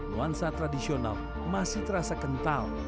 nuansa tradisional masih terasa kental